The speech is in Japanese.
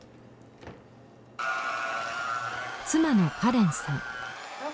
妻のカレンさん。